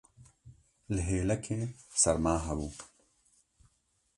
li hêlekê serma hebû